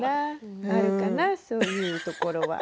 あるかなそういうところは。